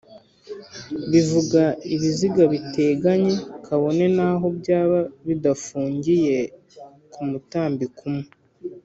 bivuga ibiziga biteganye kabone naho byaba bidafungiye kumutambiko umwe